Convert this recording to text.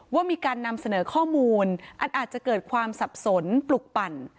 ว่ามีการนำเสนอข้อมูลอันอาจจะเกิดความสับสนปลุกปั่น